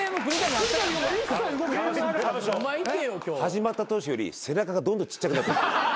始まった当初より背中がどんどんちっちゃくなってる。